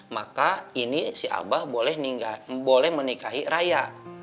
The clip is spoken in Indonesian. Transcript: maka ini si abah boleh menikahi raya